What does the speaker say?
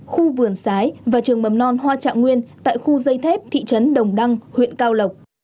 khu vườn sái và trường mầm non hoa trạ nguyên tại khu dây thép thị trấn đồng đăng huyện cao lộc